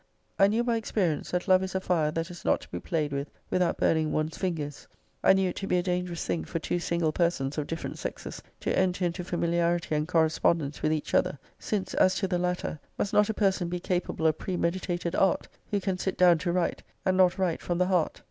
>>> I knew by experience that love is a fire that is not to be played with without burning one's fingers: I knew it to be a dangerous thing for two single persons of different sexes to enter into familiarity and correspondence with each other: Since, as to the latter, must not a person be capable of premedi tated art, who can sit down to write, and not write from the heart?